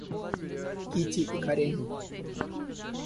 Кити и Каренин.